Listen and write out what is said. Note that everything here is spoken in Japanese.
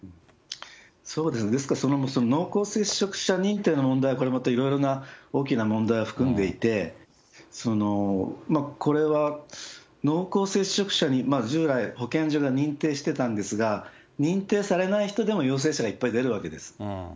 その濃厚接触者認定の問題、これまたいろいろな大きな問題を含んでいて、これは濃厚接触者に従来、保健所が認定してたんですが、認定されない人でも陽性者がいっぱい出るわけです。